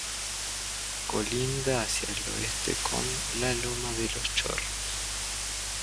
Colinda hacia el oeste con la Loma de Los Chorros.